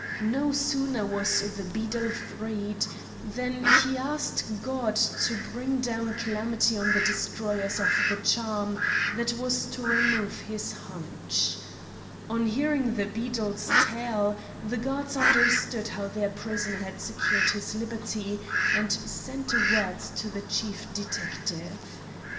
No sooner was the beadle freed than he asked God to bring down calamity on the destroyers of the charm that was to remove his hunch. On hearing the beadle's tale, the guards understood how their prisoner had secured his liberty, and sent word to the Chief Detective.